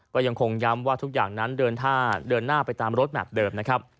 ก็ยังคงย้ำว่าทุกอย่างนั้นเดินหน้าไปตามรถแมพเดิม